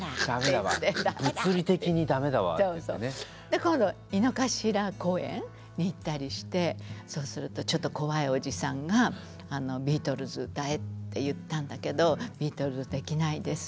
で今度は井の頭公園に行ったりしてそうするとちょっと怖いおじさんがビートルズ歌えって言ったんだけど「ビートルズできないです。